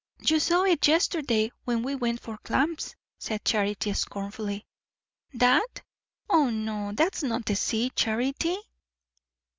"You saw it yesterday, when we went for clams," said Charity scornfully. "That? O no. That's not the sea, Charity."